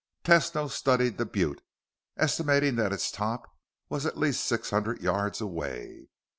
Tesno studied the butte, estimating that its top was at least six hundred yards away.